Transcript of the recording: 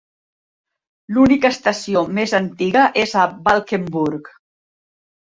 L'única estació més antiga és a Valkenburg.